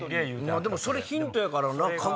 でもそれヒントやからな。